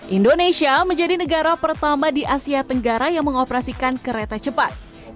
indonesia menjadi negara pertama di asia tenggara yang mengoperasikan kereta cepat